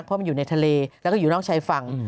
เพราะมันอยู่ในทะเลแล้วก็อยู่นอกชายฝั่ง